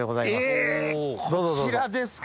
えこちらですか。